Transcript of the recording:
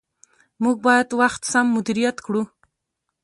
موږ باید وخت سم مدیریت کړو